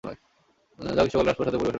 যা গ্রীষ্মকালে রাজপ্রাসাদে পরিবেশন করা হতো।